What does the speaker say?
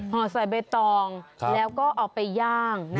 ห่อใส่ใบตองแล้วก็เอาไปย่าง